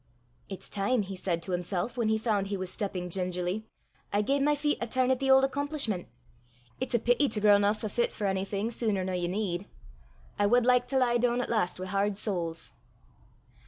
"It's time," he said to himself, when he found he was stepping gingerly, "I gae my feet a turn at the auld accomplishment. It's a pity to grow nae so fit for onything suner nor ye need. I wad like to lie doon at last wi' hard soles!"